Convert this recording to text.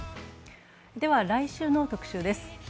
来週の特集です。